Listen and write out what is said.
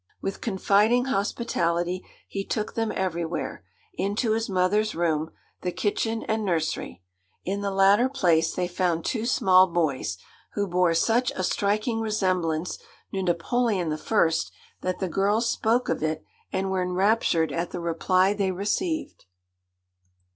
With confiding hospitality he took them everywhere into his mother's room, the kitchen, and nursery. In the latter place they found two small boys, who bore such a striking resemblance to Napoleon I. that the girls spoke of it, and were enraptured at the reply they received.